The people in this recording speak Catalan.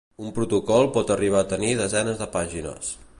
Un protocol pot arribar a tenir desenes de pàgines.